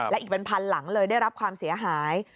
และอีกเป็นพันหลังเลยได้รับความเสียหาย